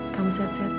kamu sehat sehat ya